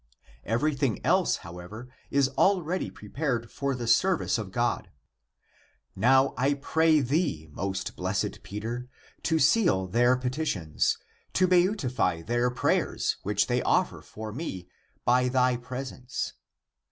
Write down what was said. Everything else, how ever, is already prepared for the service (of God), Now I pray thee, most blessed Peter, to seal their petitions, and beautify their prayers (which they offer) for me (by thy presence).